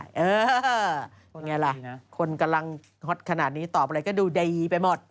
เป็นไงล่ะคนกำลังฮอตขนาดนี้ตอบอะไรก็ดูดีไปหมด